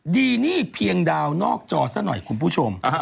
ดีนี่เพียงดาวนอกจอซะหน่อยคุณผู้ชม